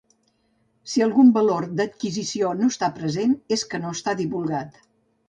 Si algun valor d'adquisició no està present, és que no està divulgat.